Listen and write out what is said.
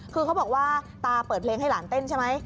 คือเขาบอกว่าตาเปิดเพลงให้หลานเต้นใช่ไหม